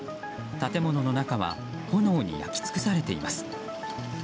建物の中は炎に焼き尽くされています。